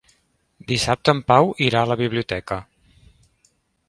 Dissabte en Pau irà a la biblioteca.